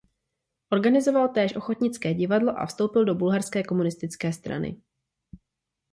Organizoval též ochotnické divadlo a vstoupil do Bulharské komunistické strany.